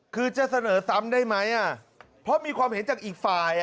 คือจะเสนอซ้ำได้ไหมเพราะมีความเห็นจากอีกฝ่าย